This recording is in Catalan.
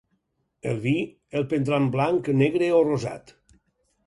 El vi, el prendran blanc, negre o rosat?